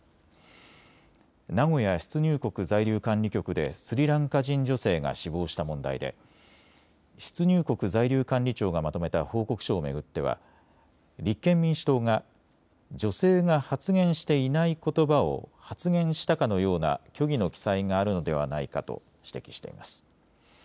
名古屋出入国在留管理局でスリランカ人女性が死亡した問題で出入国在留管理庁がまとめた報告書を巡っては立憲民主党が女性が発言していないことばを発言したかのような虚偽の記載があるのではないかと指摘しています。